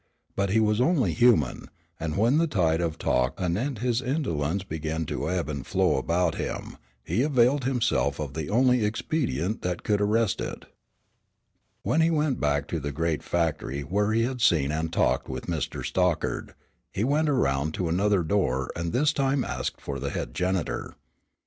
But he was only human, and when the tide of talk anent his indolence began to ebb and flow about him, he availed himself of the only expedient that could arrest it. When he went back to the great factory where he had seen and talked with Mr. Stockard, he went around to another door and this time asked for the head janitor.